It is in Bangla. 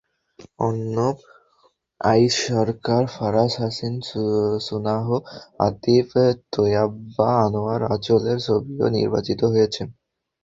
অর্ণব আইচ সরকার, ফারাজ হাসিন সুহান, আতিফ তৈয়্যেবা আনোয়ার আঁচলের ছবিও নির্বাচিত হয়েছে।